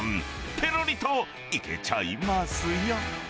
ぺろりといけちゃいますよ。